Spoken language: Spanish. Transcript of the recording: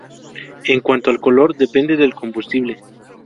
En cuanto al color, depende del combustible.